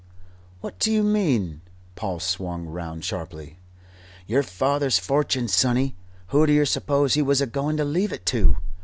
"What do you mean?" Paul swung round sharply. "Yer father's fortune, sonny. Who do yer suppose he was a going to leave it to?